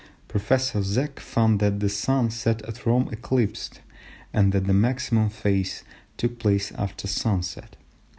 Professor Zech found that the Sun set at Rome eclipsed, and that the maximum phase took place after sun set.